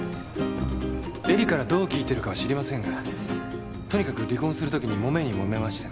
絵里からどう聞いてるかは知りませんがとにかく離婚するときにもめにもめましてね。